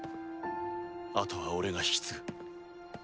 あとは俺が引き継ぐ。